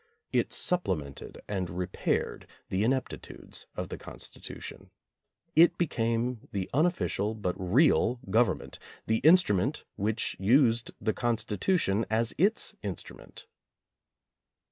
It supple mented and repaired the ineptitudes of the Consti tution. It became the unofficial but real govern ment, the instrument which used the Constitution as its instrument.